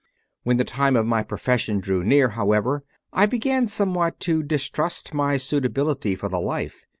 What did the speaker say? When the time of my profession drew near, how ever, I began somewhat to distrust my suitability for the life.